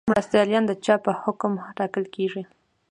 مرستیالان د چا په حکم ټاکل کیږي؟